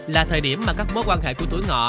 là thời điểm mà các mối quan hệ của tuổi ngọ